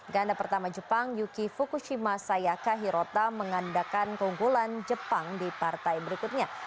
ganda pertama jepang yuki fukushima sayaka hirota mengandalkan keunggulan jepang di partai berikutnya